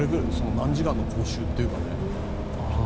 何時間の講習というかね。